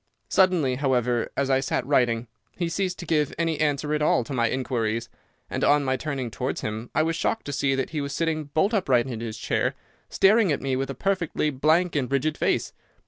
Suddenly, however, as I sat writing, he ceased to give any answer at all to my inquiries, and on my turning towards him I was shocked to see that he was sitting bolt upright in his chair, staring at me with a perfectly blank and rigid face.